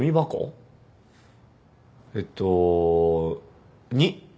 えっと２。